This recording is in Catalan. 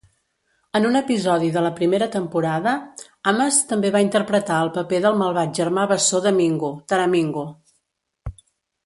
En un episodi de la primera temporada, Ames també va interpretar el paper del malvat germà bessó de Mingo, Taramingo.